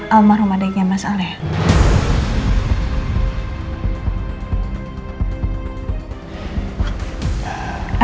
almarum adiknya mas al ya